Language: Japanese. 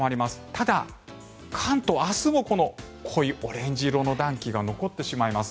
ただ、関東は明日も濃いオレンジ色の暖気が残ってしまいます。